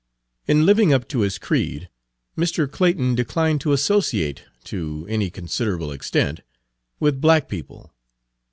In living up to his creed Mr. Clayton declined to associate to any considerable extent with black people.